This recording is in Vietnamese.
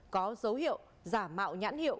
có dấu hiệu giả mạo nhãn hiệu